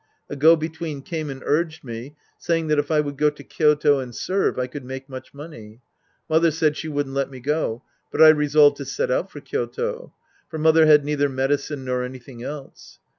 A go between came and urged me, saying that if I would go to Kyoto and serve, I could make much money. Mother said she wouldn't let me go. But I resolved to set out for Kyoto. For mother had neither medi cine nor anything else.